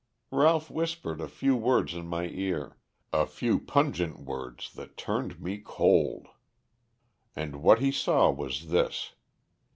"Ralph whispered a few words in my ear a few pungent words that turned me cold. And what he saw was this.